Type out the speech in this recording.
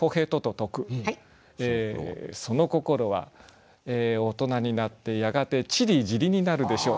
その心は「大人になってやがてちりぢりになるでしょう」。